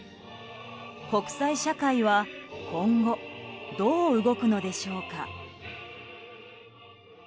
国際社会は今後どう動くのでしょうか。